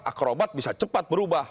akrobat bisa cepat berubah